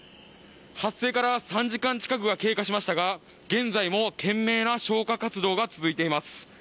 発生から３時間近くが経過しましたが現在も懸命な消火活動が続いています。